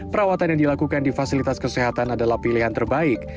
perawatan yang dilakukan di fasilitas kesehatan adalah pilihan terbaik